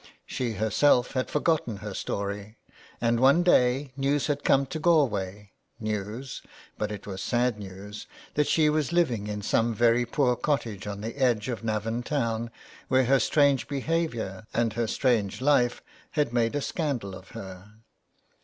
She herself had for gotten her story, and one day news had come to Galway — news, but it was sad news, that she was living in some very poor cottage on the edge of Navan town where her strange behaviour and her 245 THE WEDDING GOWN. strange life had made a scandal of her.